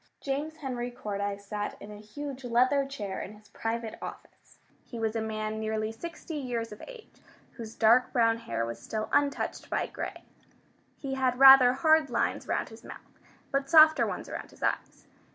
James Henry Cordyce sat in a huge leather chair in his private office. He was a man nearly sixty years of age whose dark brown hair was still untouched by gray. He had rather hard lines around his mouth, but softer ones around his eyes.